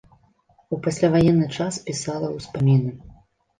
У пасляваенны час пісала ўспаміны.